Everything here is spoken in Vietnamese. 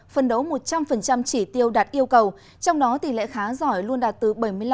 phân đấu một trăm linh chỉ tiêu đạt yêu cầu trong đó tỷ lệ khá giỏi luôn đạt từ bảy mươi năm